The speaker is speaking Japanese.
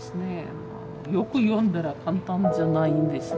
よく読んだら簡単じゃないんですね。